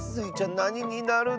なにになるの？